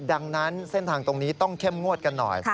ดังนั้นเส้นทางตรงนี้ต้องเข้มงวดกันหน่อย